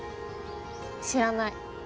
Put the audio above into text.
知らない。